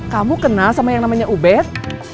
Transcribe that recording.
kamu kenal sama yang namanya ubed